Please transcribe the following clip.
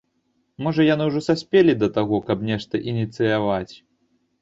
Можа, яны ўжо саспелі да таго, каб нешта ініцыяваць?